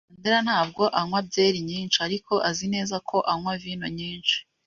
Mandera ntabwo anywa byeri nyinshi, ariko azi neza ko anywa vino nyinshi.